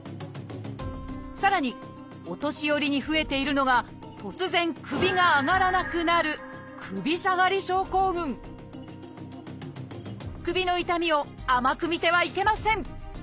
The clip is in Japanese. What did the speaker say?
さらにお年寄りに増えているのが突然首が上がらなくなる首の痛みを甘く見てはいけません。